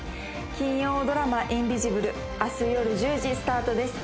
金曜ドラマ「インビジブル」明日夜１０時スタートです